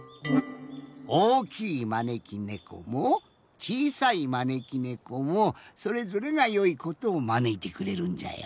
おおきいまねき猫もちいさいまねき猫もそれぞれがよいことをまねいてくれるんじゃよ。